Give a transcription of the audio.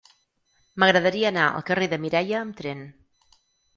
M'agradaria anar al carrer de Mireia amb tren.